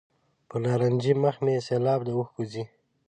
پر نارنجي مخ مې سېلاب د اوښکو ځي.